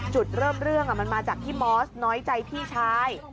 จุดเริ่มเรื่องมันมาจากที่มอสน้อยใจพี่ชาย